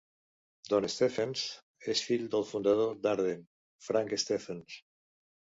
Don Stephens és fill del fundador d'Arden, Frank Stephens.